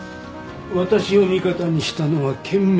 私を味方にしたのは賢明な判断です。